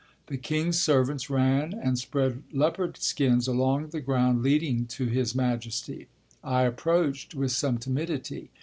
The king's servants ran and spread leopard skins along the ground leading to his majesty. I approached with some timidity.